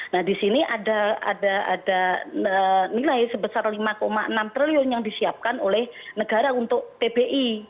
nah di sini ada nilai sebesar lima enam triliun yang disiapkan oleh negara untuk pbi